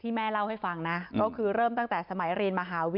ที่แม่เล่าให้ฟังนะก็คือเริ่มตั้งแต่สมัยเรียนมหาวิทยาลัยเลยค่ะ